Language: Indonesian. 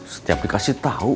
setiap dikasih tau